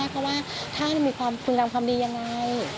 เพราะว่าท่านมีความคุณงามความดียังไง